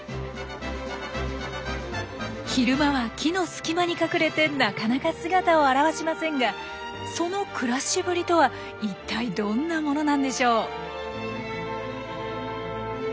昼間は木の隙間に隠れてなかなか姿を現しませんがその暮らしぶりとはいったいどんなものなんでしょう？